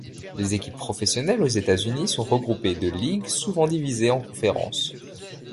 Les équipes professionnelles aux États-Unis sont regroupées de ligues souvent divisées en conférences.